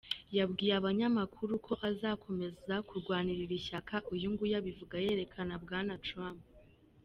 Yabwiye abanyamakuru ko azakomeza kurwanirira ishyaka "uyu nguyu", abivuga yerekana Bwana Trump.